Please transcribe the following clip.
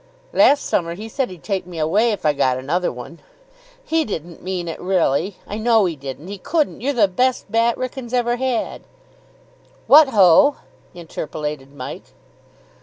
"Last summer he said he'd take me away if I got another one." "He didn't mean it really, I know he didn't! He couldn't! You're the best bat Wrykyn's ever had." "What ho!" interpolated Mike.